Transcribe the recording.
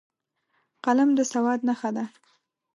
قلم د سواد نښه ده